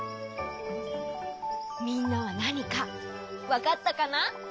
みんなはなにかわかったかな？